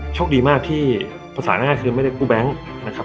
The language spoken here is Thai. โชคดีมากที่ภาษาง่ายคือไม่ได้กู้แบงค์นะครับ